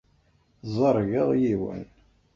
Ẓergeɣ yiwen.